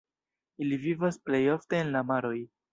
Ili vivas plej ofte en la maroj.